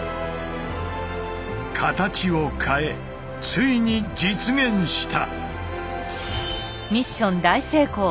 形を変えついに実現した。